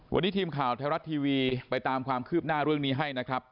วันนี้ทีมข่าวไทยรัฐทีวีไปตามความคืบหน้าเรื่องนี้ให้นะครับ